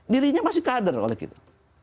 dirinya masih kader oleh kita